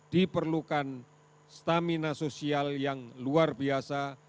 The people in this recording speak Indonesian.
diperlukan stamina sosial yang luar biasa